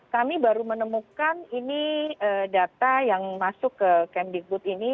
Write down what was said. kami baru menemukan data yang masuk ke kemdik putri ini